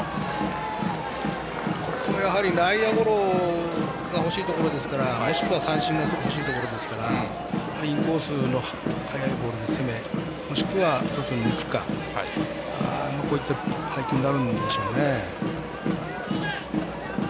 内野ゴロが欲しいところですからもしくは三振も欲しいところですからインコースの速いボールで攻めもしくは一つ、抜くかという配球になるでしょうね。